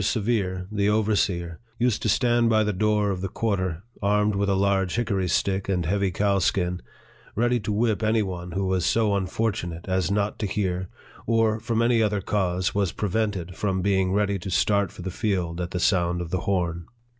Severe, the overseer, used to stand by the door of the quarter, armed with a large hickory stick and heavy cowskin, ready to whip any one who was so unfortu nate as not to hear, or, from any other cause, was pre vented from being ready to start for the field at the sound of the horn.